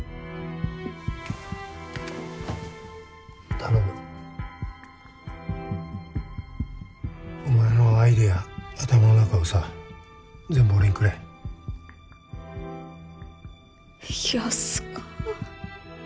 頼むお前のアイデア頭の中をさ全部俺にくれ安かはっ？